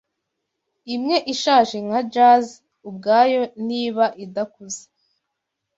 imwe ishaje nka jaz ubwayo niba idakuze,